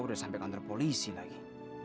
udah sampai kantor polisi lagi